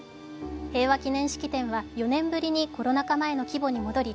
平和記念式典は４年ぶりにコロナ禍前の規模に戻り